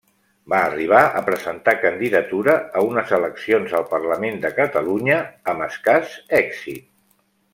Va arribar a presentar candidatura a unes eleccions al Parlament de Catalunya, amb escàs èxit.